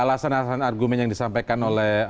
alasan alasan argumen yang disampaikan oleh